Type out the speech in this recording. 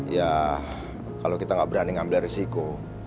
ya kalau kita nggak berani ngambil risiko